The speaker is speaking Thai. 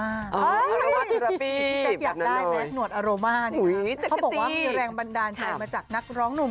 อันนี้เป็นหนวดแผนโบราณนะครับ